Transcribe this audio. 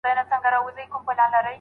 آيا مږور دائمي محرم دی؟